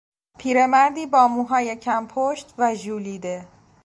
پیرمردی با موهای کم پشت و ژولیده